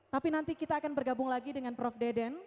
tapi nanti kita akan bergabung lagi dengan prof deden